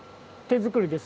手作りで！？